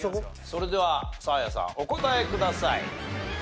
それではサーヤさんお答えください。